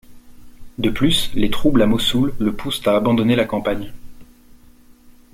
De plus des troubles à Mossoul le poussent à abandonner la campagne.